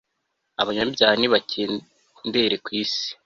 abanyabyaha nibakendere ku isi